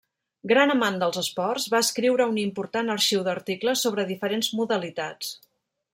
Gran amant dels esports, va escriure un important arxiu d'articles sobre diferents modalitats.